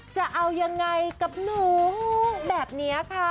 จะเอายังไงกับหนูแบบนี้ค่ะ